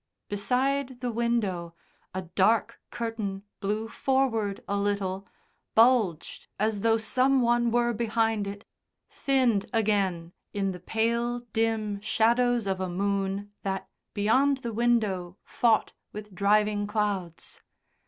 Beside the window a dark curtain blew forward a little, bulged as though some one were behind it, thinned again in the pale dim shadows of a moon that, beyond the window, fought with driving clouds.